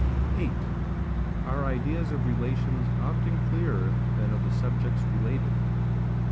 8. Our Ideas of Relations often clearer than of the Subjects related.